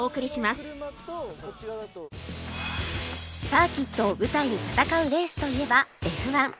サーキットを舞台に戦うレースといえば Ｆ１